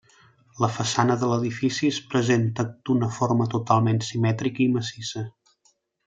La façana de l'edifici es presenta d'una forma totalment simètrica i massissa.